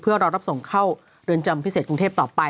เพื่อรอรับส่งเข้าเรือนจำพิเศษกรุงเทพต่อไป